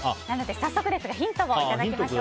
早速ですがヒントをいただきましょう。